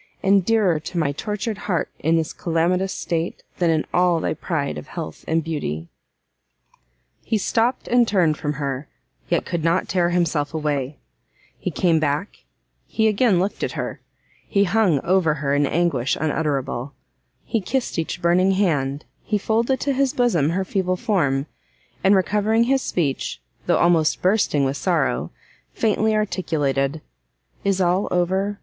and dearer to my tortured heart in this calamitous state, than in all thy pride of health and beauty!" He stopt, and turned from her, yet could not tear himself away; he came back, he again looked at her, he hung over her in anguish unutterable; he kissed each burning hand, he folded to his bosom her feeble form, and, recovering his speech, though almost bursting with sorrow, faintly articulated, "Is all over?